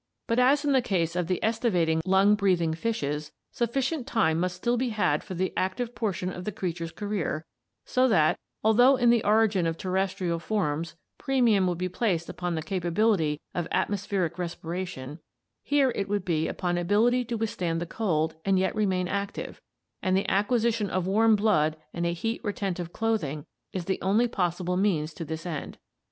But, as in the case of the activating lung breathing fishes, sufficient time must still be had for the active portion of the creature's career, so that, although in the origin of terrestrial forms premium would be placed upon the capability of atmospheric respiration, here it would be upon ability to withstand the cold and yet remain active, and the acquisition of warm blood and a heat retentive clothing is the only possible means to this end.